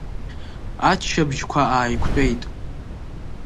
Аччабжьқәа ааиқәтәеит.